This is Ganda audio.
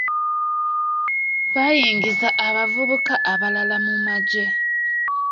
Baayingizza abavubuka abalala mu magye.